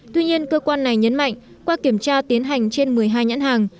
tuy nhiên cơ quan này nhấn mạnh qua kiểm tra tiến hành trên một mươi hai nhãn hàng